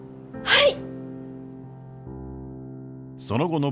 はい。